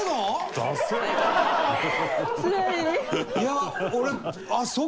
いや俺。